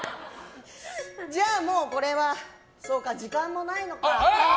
じゃあもうこれは時間もないのか。